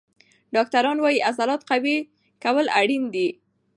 ډاکټران وایي عضلات قوي کول اړین دي.